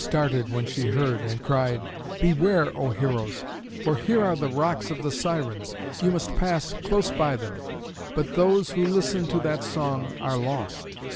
] Medeia started when she heard, and cried, "Beware, O heroes, for here are the rocks of the Sirens. You must pass close by them, but those who listen to that song are lost."